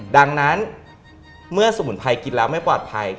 ดังนั้นเมื่อสมุนไพรกินแล้วไม่ปลอดภัย